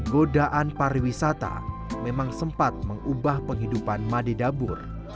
godaan pariwisata memang sempat mengubah penghidupan madidabur